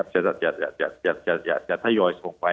จะทำได้อย่าทะยอยส่งไป